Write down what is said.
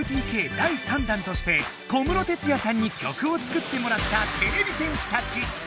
ＭＴＫ第３弾として小室哲哉さんに曲を作ってもらったてれび戦士たち。